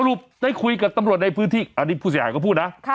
ได้คุยกับตำรวจในพื้นที่อันนี้ผู้เสียหายก็พูดนะ